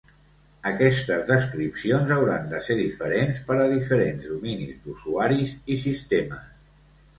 Aquestes descripcions hauran de ser diferents per a diferents dominis d'usuaris i sistemes.